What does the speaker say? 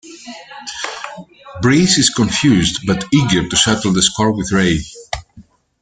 Brice is confused, but eager to settle the score with Ray.